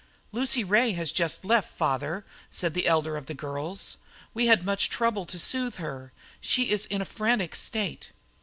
"Lucy Ray has just left, father," said the elder of the girls. "We had much trouble to soothe her; she is in a frantic state."